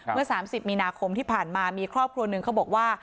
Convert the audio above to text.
เมื่อ๓๐มีนาคมที่ผ่านมามีครอบครัวหนึ่งเขาบอกว่า